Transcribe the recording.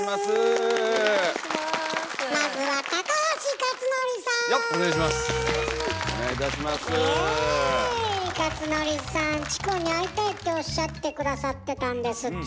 克典さんチコに会いたいっておっしゃって下さってたんですって？